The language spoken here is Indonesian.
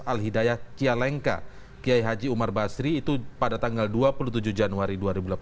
al hidayah cialengka kiai haji umar basri itu pada tanggal dua puluh tujuh januari dua ribu delapan belas